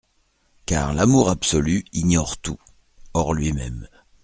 Car l’amour absolu ignore tout ; hors lui-même.